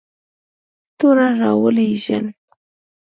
توره را ولېږل.